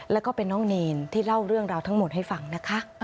แล้วก็เป็นน้องเนรที่เล่าเรื่องราวทั้งหมดให้ฟังนะคะ